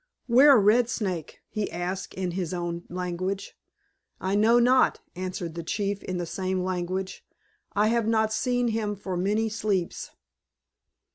"Where Red Snake?" he asked in his own language. "I know not," answered the chief in the same language, "I have not seen him for many sleeps."